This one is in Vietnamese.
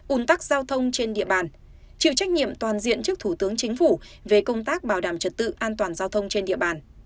ủn tắc giao thông trên địa bàn chịu trách nhiệm toàn diện trước thủ tướng chính phủ về công tác bảo đảm trật tự an toàn giao thông trên địa bàn